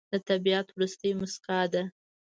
د طبیعت وروستی موسکا ده